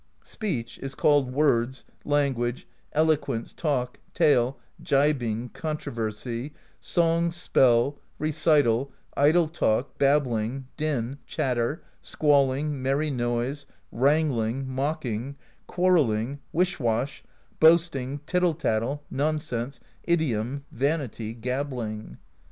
"Speech is called words, language, eloquence, talk, tale, gibing, controversy, song, spell, recital, idle talk, bab bling, din, chatter, squalling, merry noise, wrangling, mock ing, quarrelling, wish wash, boasting, tittle tattle, nonsense, idiom, vanity, gabbling.